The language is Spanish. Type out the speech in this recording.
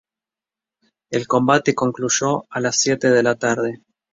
El combate concluyó a las siete de la tarde.